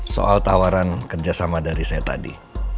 soal tawaran kerjasama dari saya tadi